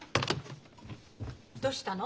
どうしたの？